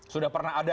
sudah pernah ada